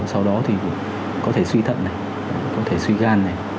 sau đó thì có thể suy thận này có thể suy gan này